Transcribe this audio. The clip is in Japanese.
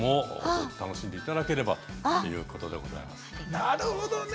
なるほどね。